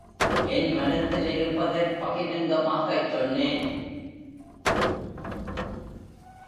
என் மனத்திலிருப்பதைப் பகிரங்கமாகச் சொன்னேன்.